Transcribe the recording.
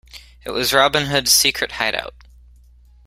It was Robin Hood's secret hideout.